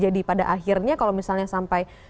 jadi pada akhirnya kalau misalnya sampai